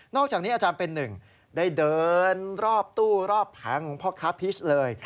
อกจากนี้อาจารย์เป็นหนึ่งได้เดินรอบตู้รอบแผงของพ่อค้าพีชเลย